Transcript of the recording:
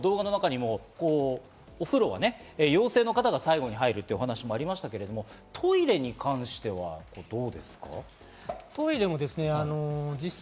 今、ＶＴＲの中でもお風呂は陽性の方が最後に入るというお話ありましたが、トイレに関してはどうですか？